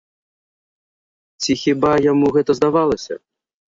Ці хіба яму гэта здавалася?